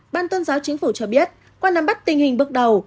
ban tôn giáo chính phủ cho biết qua nắm bắt tình hình bước đầu